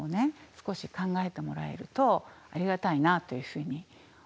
少し考えてもらえるとありがたいなというふうに思っています。